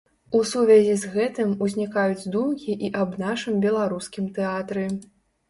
У сувязі з гэтым узнікаюць думкі і аб нашым беларускім тэатры.